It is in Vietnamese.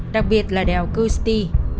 đặc biệt là đèo custi